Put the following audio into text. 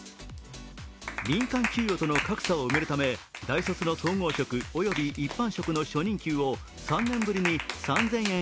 民間給与との格差を埋めるため大卒の総合職及び一般職の初任給を３年ぶりに３０００円